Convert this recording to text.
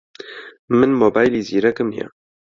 من مۆبایلی زیرەکم نییە.